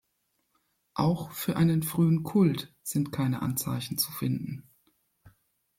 Auch für einen frühen Kult sind keine Anzeichen zu finden.